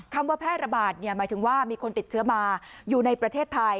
คำว่าแพร่ระบาดหมายถึงว่ามีคนติดเชื้อมาอยู่ในประเทศไทย